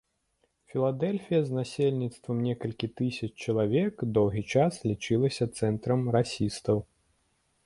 Філадэльфія з насельніцтвам некалькі тысяч чалавек доўгі час лічылася цэнтрам расістаў.